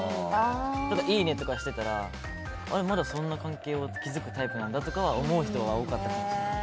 いいねとかしてたらまだそんな関係を築くタイプなんだとか思う人は多かったかもしれません。